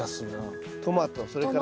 トマトそれから？